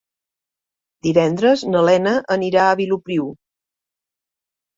Divendres na Lena anirà a Vilopriu.